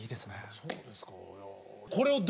そうですか？